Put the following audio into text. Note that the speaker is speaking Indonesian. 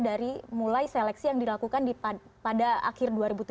dari mulai seleksi yang dilakukan pada akhir dua ribu tujuh belas